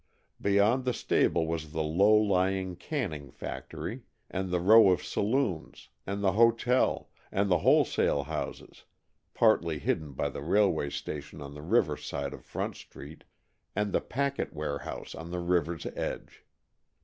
Beyond the stable was the low lying canning factory, and the row of saloons, and the hotel, and the wholesale houses, partly hidden by the railway station on the river side of Front Street, and the packet warehouse on the river's edge.